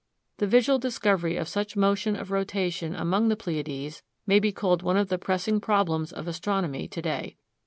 The visual discovery of such motion of rotation among the Pleiades may be called one of the pressing problems of astronomy to day.